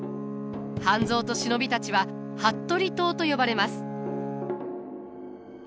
半蔵と忍びたちは服部党と呼ばれます。